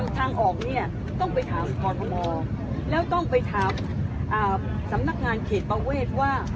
ทางออกเนี่ยต้องไปถามกรทมแล้วต้องไปถามสำนักงานเขตประเวทว่า